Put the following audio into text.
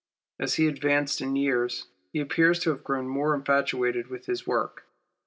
As he advanced in years he appears to have grown more infatuated with his work.